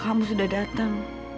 kamu sudah datang